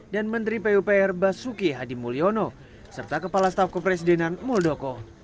dan menteri pupr basuki hadimulyono serta kepala staf kepresidenan muldoko